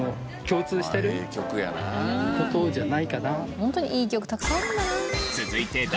ホントにいい曲たくさんあるんだな。